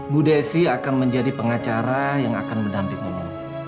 bu desi akan menjadi pengacara yang akan menampilkanmu